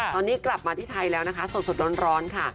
ตอนนี้กลับมาที่ไทยแล้วนะคะสดร้อนค่ะ